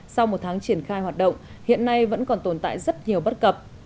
sau một tháng triển khai hoạt động hiện nay vẫn còn tồn tại rất nhiều bất cập